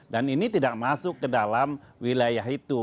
dan ini tidak masuk ke dalam wilayah itu